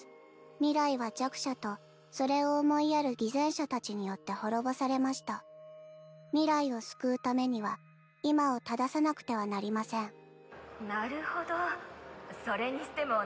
未来は弱者とそれを思いやる偽善者たちによって滅ぼされました未来を救うためには今を正さなくてはなりなるほど。